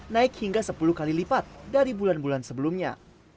naik hingga sepuluh kali lipat dari bulan bulan sebelumnya